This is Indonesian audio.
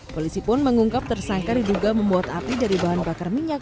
polisi pun mengungkap tersangka diduga membuat api dari bahan bakar minyak